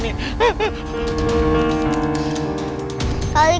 aduh ini apaan sih